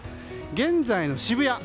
現在の渋谷。